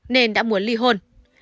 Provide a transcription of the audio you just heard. nên đã muốn ly hôn